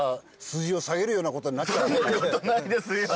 そんなことないですよ。